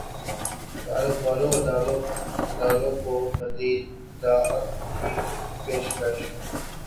کاروباری اداروں کو مزید مراعات کی پیشکش